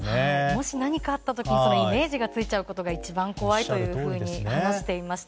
もし何かあった時にそのイメージがついてしまうことが一番怖いというふうに話していました。